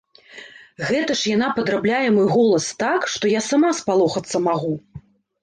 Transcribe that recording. Гэта ж яна падрабляе мой голас так, што я сама спалохацца магу.